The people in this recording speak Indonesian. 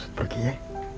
awas tuti pergi ya